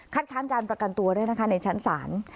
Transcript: ค้านการประกันตัวด้วยนะคะในชั้นศาล